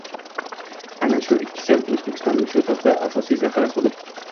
– aynan shu ikkisi O‘zbekistonning shu tobda asosiy zaxirasi bo‘lib